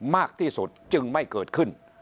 มากที่สุดจึงไม่เกิดขึ้น